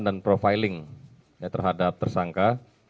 dan profiling terhadap tersangka